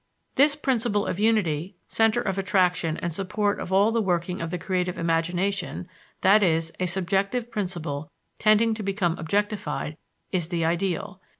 This principle of unity, center of attraction and support of all the working of the creative imagination that is, a subjective principle tending to become objectified is the ideal.